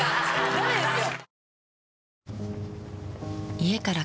ダメですよ。